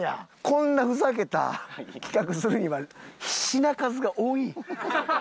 こんなふざけた企画するには品数が多い。